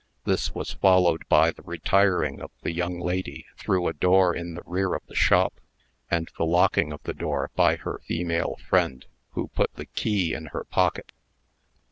This was followed by the retiring of the young lady through a door in the rear of the shop, and the locking of the door by her female friend, who put the key in her pocket.